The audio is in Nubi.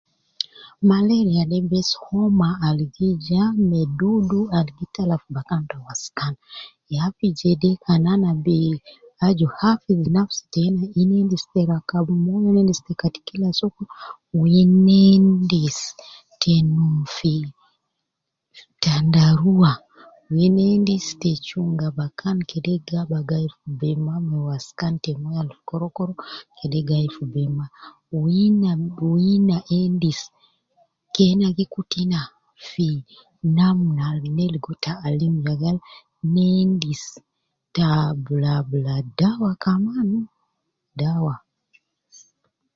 Malaria de bes homa al gi ja me dudu al gi tala fi bakan te waskan, ya fi jede kan ana bi aju hafidh nafsi teina, ina endi te rakab moyo, ina endis te kati kila sokol, wu ina endis te num fi tandarua, wu ina endis te chunga bakan kede gaba gai fi be mma me waskan, moyo al fi korokoro kede gayi fi be mma, wu ina endis ,wu ina endis ,kena gi kutu ina fi namna al ne ligo taalim je gal ne endis te abula abula dawa kaman, dawa.